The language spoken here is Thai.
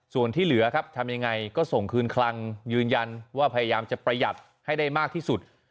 ส่วนที่เหลือครับทำยังไงก็ส่งคืนคลังยืนยันว่าพยายามจะประหยัดให้ได้มากที่สุด